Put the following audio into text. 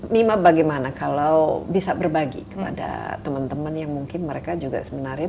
mima bagaimana kalau bisa berbagi kepada teman teman yang mungkin mereka juga sebenarnya